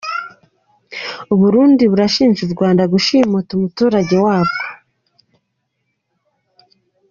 U Burundi burashinja u Rwanda gushimuta umuturage wabwo.